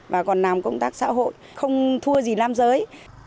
và còn làm công tác xã hội không thua gì nam giới